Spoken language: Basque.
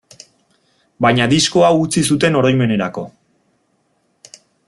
Baina disko hau utzi zuten oroimenerako.